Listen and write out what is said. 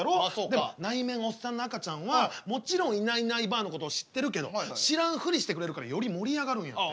でも内面おっさんの赤ちゃんはもちろんいないいないばあのことを知ってるけど知らんふりしてくれるからより盛り上がるんやて。